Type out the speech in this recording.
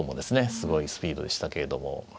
すごいスピードでしたけれども。